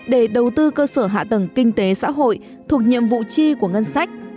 để đầu tư cơ sở hạ tầng kinh tế xã hội thuộc nhiệm vụ chi của ngân sách